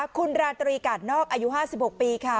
คุณราตรีกาดนอกอายุ๕๖ปีค่ะ